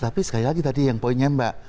tapi sekali lagi tadi yang poinnya mbak